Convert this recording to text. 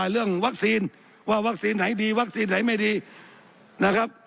เรื่องวัคซีนว่าวัคซีนไหนดีวัคซีนไหนไม่ดีนะครับ